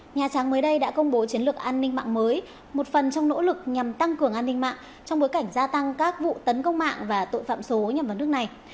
nhà trắng mới đây đã công bố chiến lược an ninh mạng mới một phần trong nỗ lực nhằm tăng cường an ninh mạng trong bối cảnh gia tăng các vụ tấn công mạng và tội phạm số nhằm vào nước này